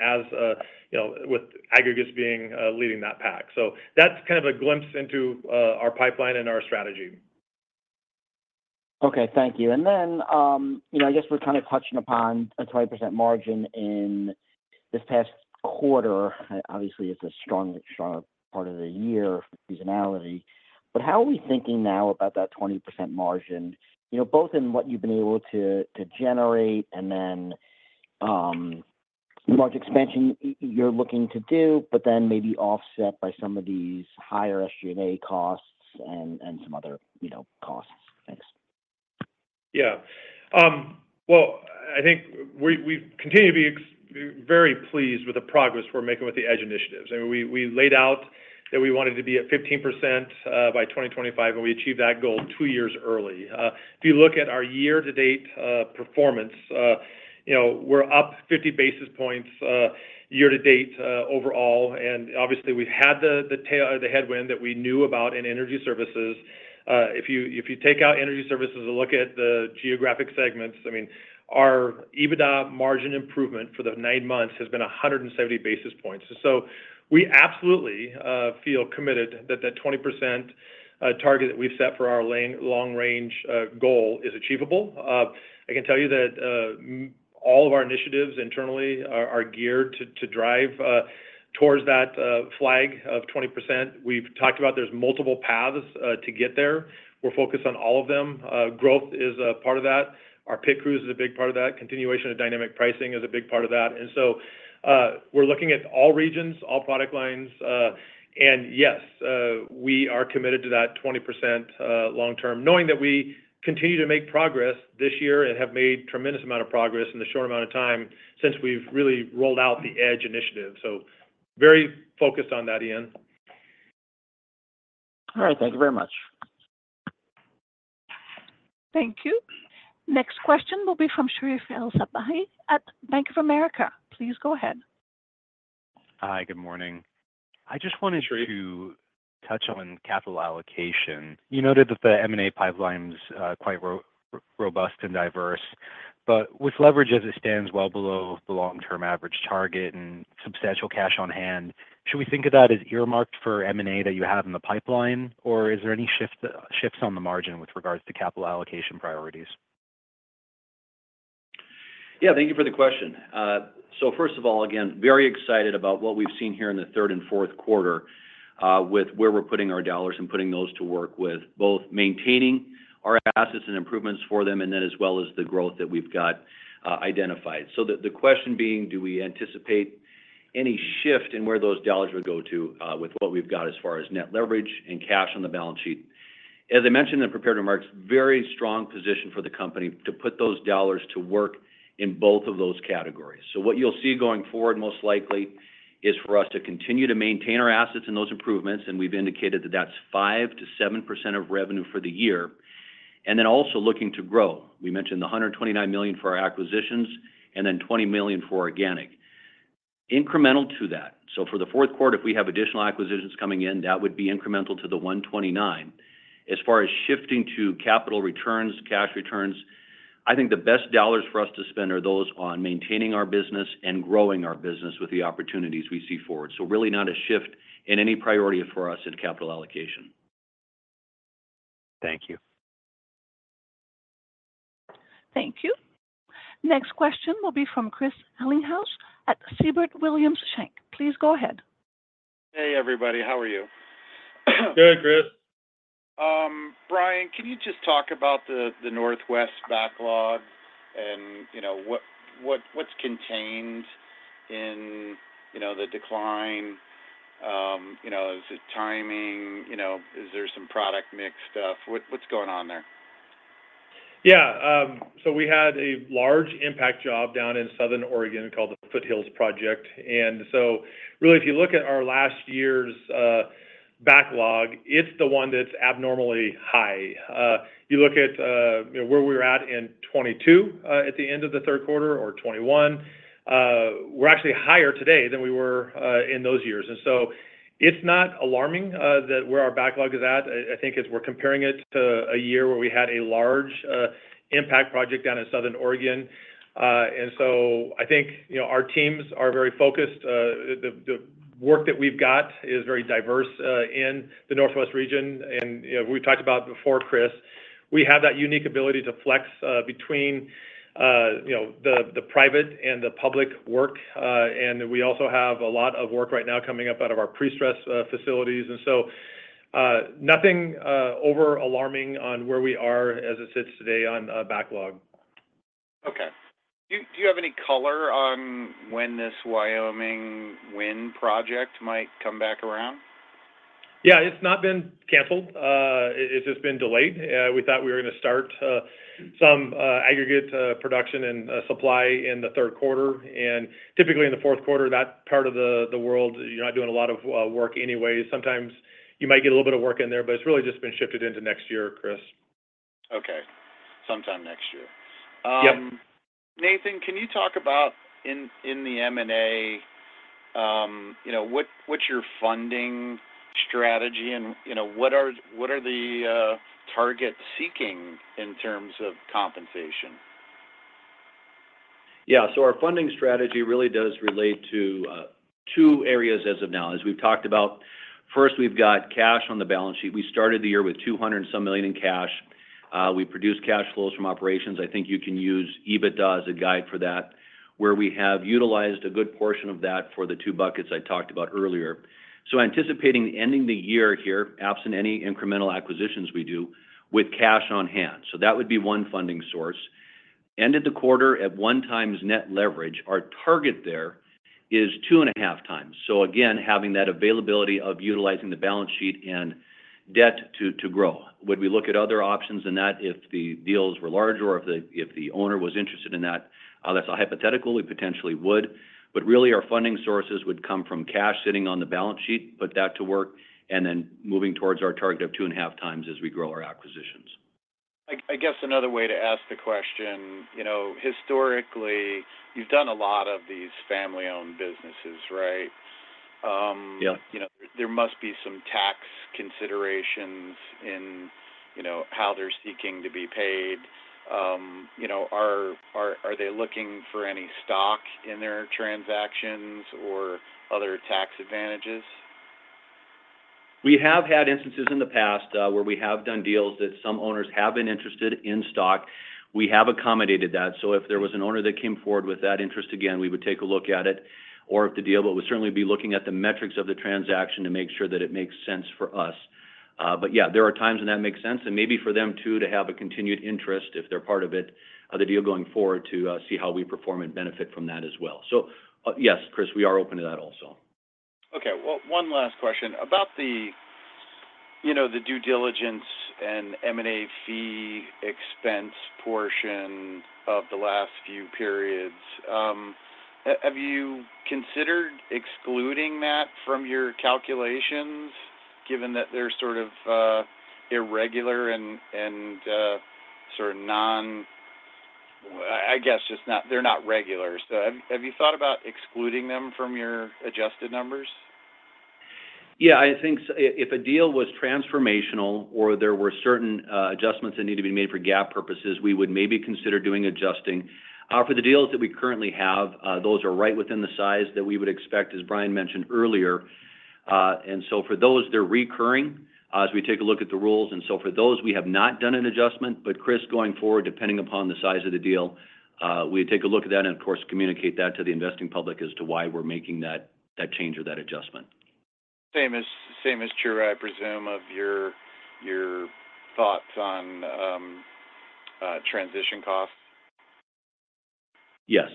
with aggregates being leading that pack. So that's kind of a glimpse into our pipeline and our strategy. Okay. Thank you. And then I guess we're kind of touching upon a 20% margin in this past quarter. Obviously, it's a stronger part of the year seasonality. But how are we thinking now about that 20% margin, both in what you've been able to generate and then large expansion you're looking to do, but then maybe offset by some of these higher SG&A costs and some other costs? Thanks. Yeah. Well, I think we continue to be very pleased with the progress we're making with the EDGE initiatives. I mean, we laid out that we wanted to be at 15% by 2025, and we achieved that goal two years early. If you look at our year-to-date performance, we're up 50 basis points year-to-date overall. And obviously, we've had the headwind that we knew about in Energy Services. If you take out Energy Services and look at the geographic segments, I mean, our EBITDA margin improvement for the nine months has been 170 basis points. We absolutely feel committed that that 20% target that we've set for our long-range goal is achievable. I can tell you that all of our initiatives internally are geared to drive towards that flag of 20%. We've talked about there's multiple paths to get there. We're focused on all of them. Growth is a part of that. Our Pit Crews is a big part of that. Continuation of dynamic pricing is a big part of that. And so we're looking at all regions, all product lines. And yes, we are committed to that 20% long-term, knowing that we continue to make progress this year and have made a tremendous amount of progress in the short amount of time since we've really rolled out the EDGE initiative. So very focused on that, Ian. All right. Thank you very much. Thank you. Next question will be from Sherif El-Sabbahy at Bank of America. Please go ahead. Hi. Good morning. I just wanted to touch on capital allocation. You noted that the M&A pipeline is quite robust and diverse, but with leverage as it stands, well below the long-term average target and substantial cash on hand, should we think of that as earmarked for M&A that you have in the pipeline, or is there any shifts on the margin with regards to capital allocation priorities? Yeah. Thank you for the question, so first of all, again, very excited about what we've seen here in the third and fourth quarter with where we're putting our dollars and putting those to work with both maintaining our assets and improvements for them and then as well as the growth that we've got identified. So the question being, do we anticipate any shift in where those dollars would go to with what we've got as far as net leverage and cash on the balance sheet? As I mentioned in the prepared remarks, very strong position for the company to put those dollars to work in both of those categories. So what you'll see going forward most likely is for us to continue to maintain our assets and those improvements, and we've indicated that that's 5%-7% of revenue for the year, and then also looking to grow. We mentioned the $129 million for our acquisitions and then $20 million for organic. Incremental to that. So for the fourth quarter, if we have additional acquisitions coming in, that would be incremental to the $129. As far as shifting to capital returns, cash returns, I think the best dollars for us to spend are those on maintaining our business and growing our business with the opportunities we see forward. So really not a shift in any priority for us in capital allocation. Thank you. Thank you. Next question will be from Chris Ellinghaus at Siebert Williams Shank. Please go ahead. Hey, everybody. How are you? Good, Chris. Brian, can you just talk about the Northwest backlog and what's contained in the decline? Is it timing? Is there some product mix stuff? What's going on there? Yeah. So we had a large impact job down in Southern Oregon called the Foothills Project. And so really, if you look at our last year's backlog, it's the one that's abnormally high. You look at where we were at in 2022 at the end of the third quarter or 2021. We're actually higher today than we were in those years, and so it's not alarming that where our backlog is at. I think we're comparing it to a year where we had a large impact project down in Southern Oregon, and so I think our teams are very focused. The work that we've got is very diverse in the Northwest Region. And we've talked about before, Chris, we have that unique ability to flex between the private and the public work. And we also have a lot of work right now coming up out of our pre-stress facilities, and so nothing over-alarming on where we are as it sits today on backlog. Okay. Do you have any color on when this Wyoming Wind Project might come back around? Yeah. It's not been canceled. It's just been delayed. We thought we were going to start some aggregate production and supply in the third quarter. And typically in the fourth quarter, that part of the world, you're not doing a lot of work anyway. Sometimes you might get a little bit of work in there, but it's really just been shifted into next year, Chris. Okay. Sometime next year. Nathan, can you talk about in the M&A, what's your funding strategy and what are the targets seeking in terms of compensation? Yeah. So our funding strategy really does relate to two areas as of now, as we've talked about. First, we've got cash on the balance sheet. We started the year with $200 and some million in cash. We produce cash flows from operations. I think you can use EBITDA as a guide for that, where we have utilized a good portion of that for the two buckets I talked about earlier. So, anticipating ending the year here, absent any incremental acquisitions we do, with cash on hand. So that would be one funding source. End of the quarter at one times net leverage, our target there is two and a half times. So again, having that availability of utilizing the balance sheet and debt to grow. Would we look at other options than that if the deals were large or if the owner was interested in that? That's a hypothetical. We potentially would. But really, our funding sources would come from cash sitting on the balance sheet, put that to work, and then moving towards our target of two and a half times as we grow our acquisitions. I guess another way to ask the question, historically, you've done a lot of these family-owned businesses, right? There must be some tax considerations in how they're seeking to be paid. Are they looking for any stock in their transactions or other tax advantages? We have had instances in the past where we have done deals that some owners have been interested in stock. We have accommodated that. So if there was an owner that came forward with that interest, again, we would take a look at it. Or if the deal, but we'd certainly be looking at the metrics of the transaction to make sure that it makes sense for us. But yeah, there are times when that makes sense. Maybe for them too to have a continued interest, if they're part of it, of the deal going forward to see how we perform and benefit from that as well. Yes, Chris, we are open to that also. Okay. One last question about the due diligence and M&A fee expense portion of the last few periods. Have you considered excluding that from your calculations, given that they're sort of irregular and sort of non - I guess just not - they're not regular. Have you thought about excluding them from your adjusted numbers? Yeah. I think if a deal was transformational or there were certain adjustments that need to be made for GAAP purposes, we would maybe consider doing adjusting. For the deals that we currently have, those are right within the size that we would expect, as Brian mentioned earlier. And so for those, they're recurring as we take a look at the rules. And so for those, we have not done an adjustment. But Chris, going forward, depending upon the size of the deal, we take a look at that and, of course, communicate that to the investing public as to why we're making that change or that adjustment. Same as Sherif, I presume, of your thoughts on transition costs? Yes.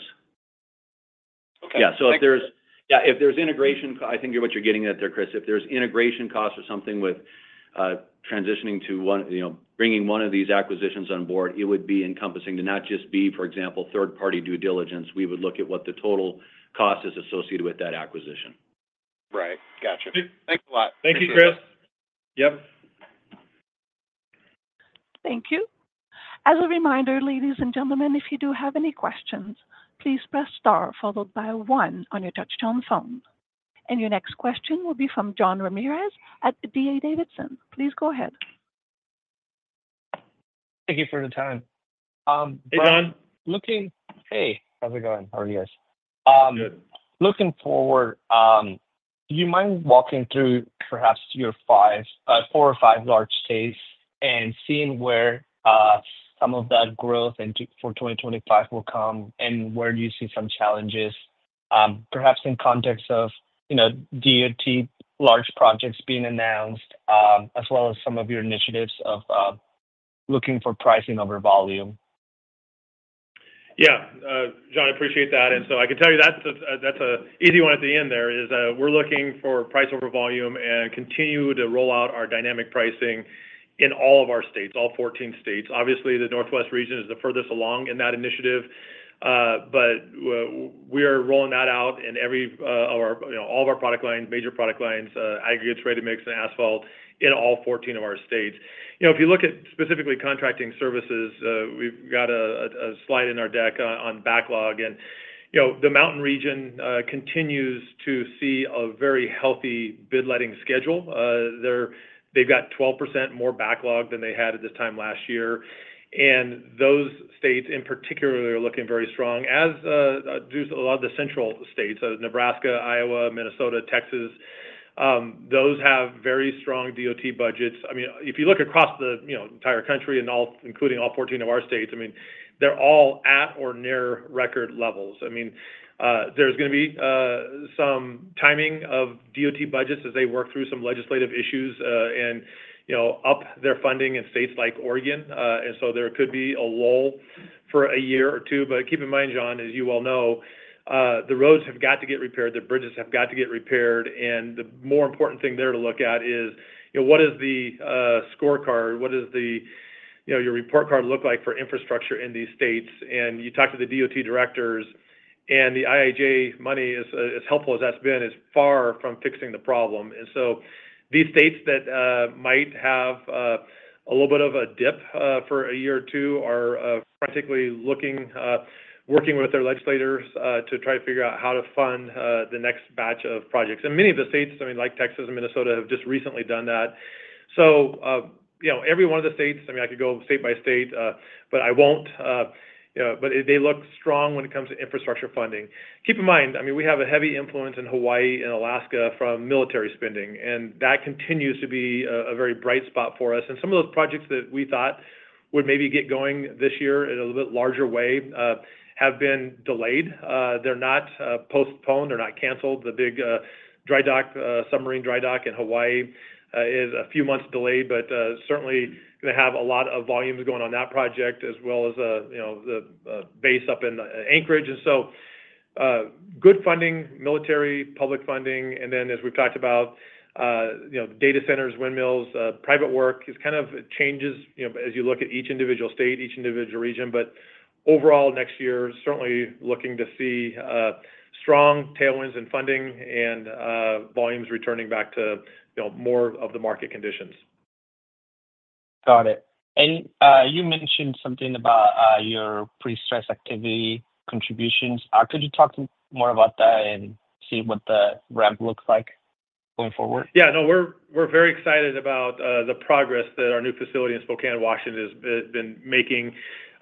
Yeah. So if there's, yeah, if there's integration, I think what you're getting at there, Chris, if there's integration costs or something with transitioning to bringing one of these acquisitions on board, it would be encompassing to not just be, for example, third-party due diligence. We would look at what the total cost is associated with that acquisition. Right. Gotcha. Thanks a lot. Thank you, Chris. Yep. Thank you. As a reminder, ladies and gentlemen, if you do have any questions, please press star followed by one on your touch-tone phone. And your next question will be from John Ramirez at D.A. Davidson. Please go ahead. Thank you for the time. Hey, John. Looking, hey, how's it going? How are you guys? Good. Looking forward, do you mind walking through perhaps your four or five large states and seeing where some of that growth for 2025 will come and where you see some challenges, perhaps in context of DOT large projects being announced, as well as some of your initiatives of looking for pricing over volume? Yeah. John, I appreciate that. And so I can tell you that's an easy one at the end there is we're looking for price over volume and continue to roll out our dynamic pricing in all of our states, all 14 states. Obviously, the Northwest region is the furthest along in that initiative, but we are rolling that out in every of our—all of our product lines, major product lines, aggregates, ready-mix, and asphalt in all 14 of our states. If you look at specifically contracting services, we've got a slide in our deck on backlog. And the mountain region continues to see a very healthy bid-letting schedule. They've got 12% more backlog than they had at this time last year. And those states, in particular, are looking very strong. As do a lot of the central states, Nebraska, Iowa, Minnesota, Texas. Those have very strong DOT budgets. I mean, if you look across the entire country, including all 14 of our states, I mean, they're all at or near record levels. I mean, there's going to be some timing of DOT budgets as they work through some legislative issues and up their funding in states like Oregon. And so there could be a lull for a year or two. But keep in mind, John, as you well know, the roads have got to get repaired. The bridges have got to get repaired. And the more important thing there to look at is what is the scorecard? What does your report card look like for infrastructure in these states? And you talk to the DOT directors, and the IIJA money, as helpful as that's been, is far from fixing the problem. And so these states that might have a little bit of a dip for a year or two are particularly looking, working with their legislators to try to figure out how to fund the next batch of projects. Many of the states, I mean, like Texas and Minnesota, have just recently done that. Every one of the states, I mean, I could go state by state, but I won't. They look strong when it comes to infrastructure funding. Keep in mind, I mean, we have a heavy influence in Hawaii and Alaska from military spending, and that continues to be a very bright spot for us. Some of those projects that we thought would maybe get going this year in a little bit larger way have been delayed. They're not postponed. They're not canceled. The big dry dock, submarine dry dock in Hawaii is a few months delayed, but certainly going to have a lot of volumes going on that project, as well as the base up in Anchorage. Good funding, military, public funding. and then, as we've talked about, data centers, windmills, private work is kind of changes as you look at each individual state, each individual region. But overall, next year, certainly looking to see strong tailwinds in funding and volumes returning back to more of the market conditions. Got it. And you mentioned something about your pre-stress activity contributions. Could you talk more about that and see what the ramp looks like going forward? Yeah. No, we're very excited about the progress that our new facility in Spokane, Washington, has been making.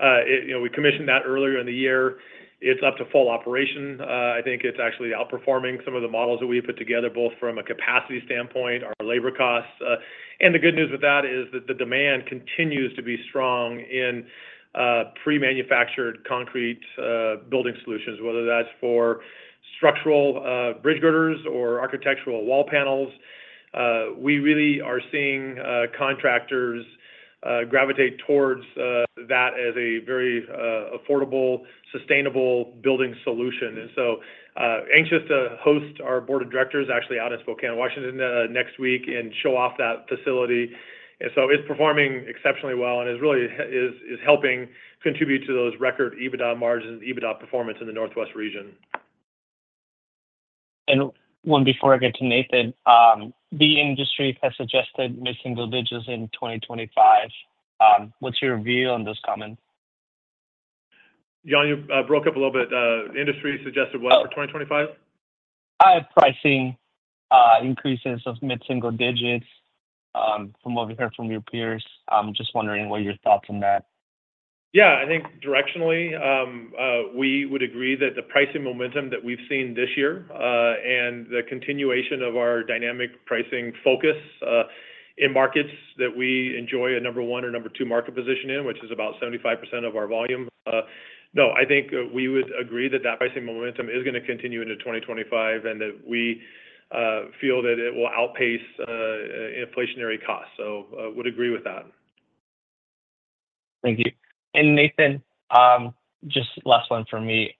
We commissioned that earlier in the year. It's up to full operation. I think it's actually outperforming some of the models that we've put together, both from a capacity standpoint, our labor costs. And the good news with that is that the demand continues to be strong in pre-manufactured concrete building solutions, whether that's for structural bridge girders or architectural wall panels. We really are seeing contractors gravitate towards that as a very affordable, sustainable building solution. And so anxious to host our board of directors actually out in Spokane, Washington, next week and show off that facility. And so it's performing exceptionally well and is really helping contribute to those record EBITDA margins and EBITDA performance in the Northwest Region. And one before I get to Nathan, the industry has suggested mid-single digits for bridges in 2025. What's your view on those comments? John, you broke up a little bit. The industry suggested what for 2025? Pricing increases of mid-single digits from what we heard from your peers. I'm just wondering what your thoughts on that. Yeah, I think directionally, we would agree that the pricing momentum that we've seen this year and the continuation of our dynamic pricing focus in markets that we enjoy a number one or number two market position in, which is about 75% of our volume. No, I think we would agree that that pricing momentum is going to continue into 2025 and that we feel that it will outpace inflationary costs. So I would agree with that. Thank you. And Nathan, just last one for me.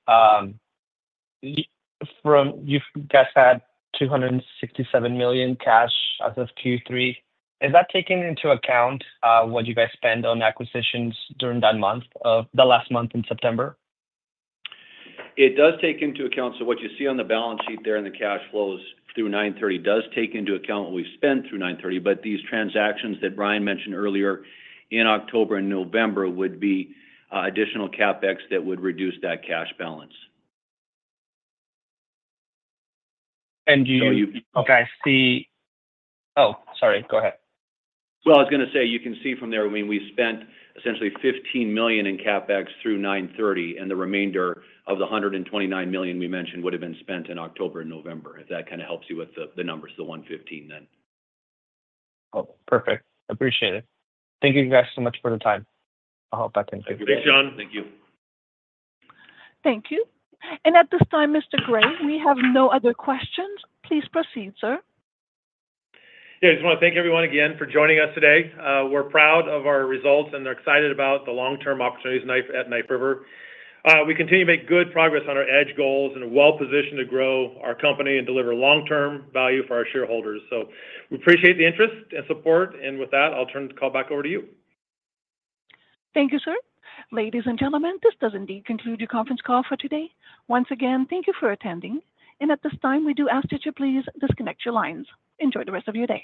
You guys had $267 million cash as of Q3. Is that taken into account what you guys spend on acquisitions during that month of the last month in September? It does take into account so what you see on the balance sheet there in the cash flows through 9/30 does take into account what we spent through 9/30, but these transactions that Brian mentioned earlier in October and November would be additional CapEx that would reduce that cash balance. And you, okay, I see, oh, sorry, go ahead. Well, I was going to say you can see from there, I mean, we spent essentially $15 million in CapEx through 9/30, and the remainder of the $129 million we mentioned would have been spent in October and November, if that kind of helps you with the numbers, the $115 million then. Perfect. Appreciate it. Thank you guys so much for the time. I'll hop back in. Thank you. Thank you, John. Thank you. Thank you. And at this time, Mr. Gray, we have no other questions. Please proceed, sir. Yeah, I just want to thank everyone again for joining us today. We're proud of our results and are excited about the long-term opportunities at Knife River. We continue to make good progress on our edge goals and are well-positioned to grow our company and deliver long-term value for our shareholders. So we appreciate the interest and support. And with that, I'll turn the call back over to you. Thank you, sir. Ladies and gentlemen, this does indeed conclude your conference call for today. Once again, thank you for attending. And at this time, we do ask that you please disconnect your lines. Enjoy the rest of your day.